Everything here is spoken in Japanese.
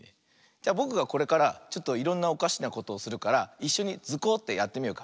じゃぼくがこれからちょっといろんなおかしなことをするからいっしょに「ズコ！」ってやってみようか。